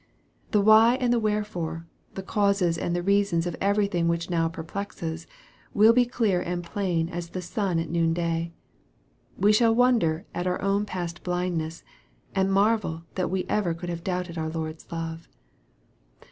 The why and the wherefore, the causes and the reasons of everything which now perplexes, will be clear and plain as the sun at noon day. We shall wonder at our own past blindness, and marvel that we could ever have doubted our Lord's love.